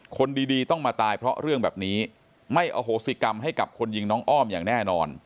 คนดีต้องมาตายเพราะเรื่องแบบนี้ไม่อโหสิกรรมให้กับคนยิงน้องอ้อมอย่างแน่นอน